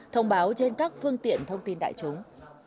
thông báo trên các phương tiện thông tin đại chúng